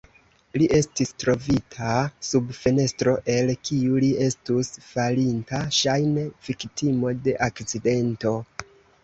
Li estis trovita sub fenestro el kiu li estus falinta, ŝajne viktimo de akcidento.